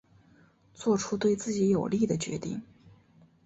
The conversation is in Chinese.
做出对自己有利的决定